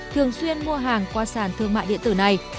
thường xuyên mua hàng qua sàn thương mại điện tử này